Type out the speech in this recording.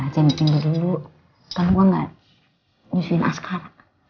abis itu baru kasih susu kak